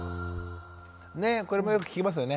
ねっこれもよく聞きますよね。